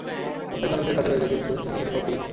প্রত্যেক ধনুকের সাথে রয়েছে কিছু তুনীর ও তীর।